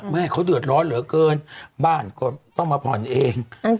แม่เขาเดือดร้อนเหลือเกินบ้านก็ต้องมาผ่อนเอง